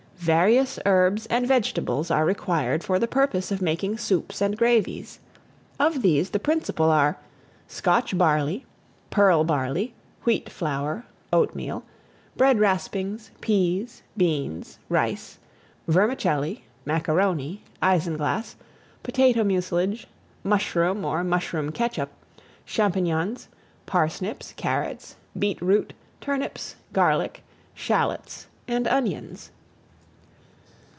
VARIOUS HERBS AND VEGETABLES are required for the purpose of making soups and gravies. Of these the principal are, Scotch barley, pearl barley, wheat flour, oatmeal, bread raspings, pease, beans, rice, vermicelli, macaroni, isinglass, potato mucilage, mushroom or mushroom ketchup, champignons, parsnips, carrots, beetroot, turnips, garlic, shalots, and onions.